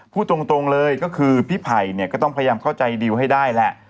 พูดตรงเลยก็คือพี่ไผ่เนี่ยก็ต้องพยายามเข้าใจดิวให้ได้แหละ